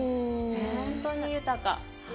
本当に豊か。